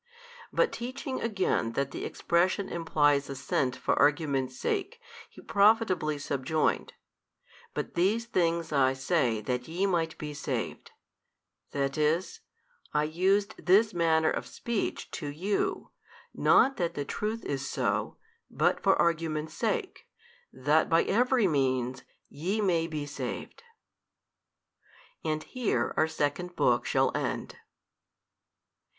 But teaching again that the expression implies assent for argument's sake, He profitably subjoined, But these things I say that YE might be saved, that is, I used this manner of speech to you, not that the truth is so, but for argument's sake, that by every means YE may be saved. And here our second book shall end.